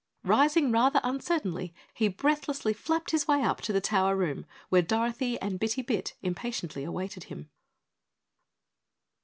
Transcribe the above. Rising rather uncertainly, he breathlessly flapped his way up to the tower room where Dorothy and Bitty Bit impatiently awaited him.